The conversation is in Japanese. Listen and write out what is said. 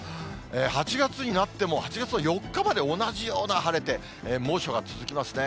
８月になっても、８月の４日まで同じような晴れて、猛暑が続きますね。